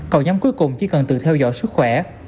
còn nhóm cuối cùng chỉ cần tự theo dõi sức khỏe